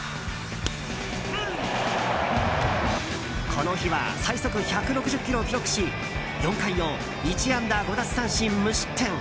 この日は最速１６０キロを記録し４回を１安打５奪三振無失点。